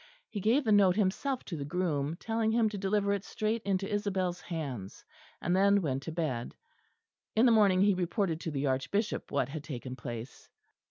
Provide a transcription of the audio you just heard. He gave the note himself to the groom; telling him to deliver it straight into Isabel's hands, and then went to bed. In the morning he reported to the Archbishop what had taken place.